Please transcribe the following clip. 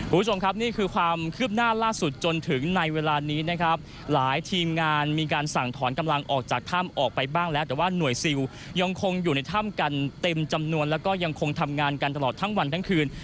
คุณผู้ชมครับนี่คือความคืบหน้าล่าสุดจนถึงในเวลานี้นะครับหลายทีมงานมีการสั่งถอนกำลังออกจากถ้ำออกไปบ้างแล้วแต่ว่าหน่วยซิลยังคงอยู่ในถ้ำกันเต็มจำนวนแล้วก็ยังคงทำงานกันตลอดทั้งวันทั้งคืน